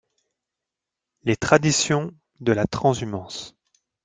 Les traditions de la transhumance.